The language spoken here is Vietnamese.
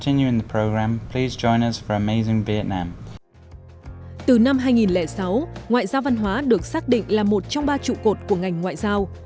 từ năm hai nghìn sáu ngoại giao văn hóa được xác định là một trong ba trụ cột của ngành ngoại giao